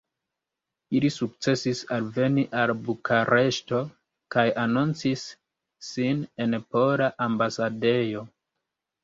Ili sukcesis alveni al Bukareŝto kaj anoncis sin en Pola Ambasadejo.